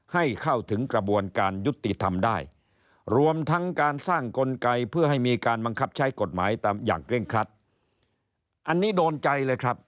ให้เข้าถึงกระบวนการยุติธรรมได้